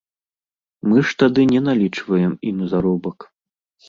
Мы ж тады не налічваем ім заробак.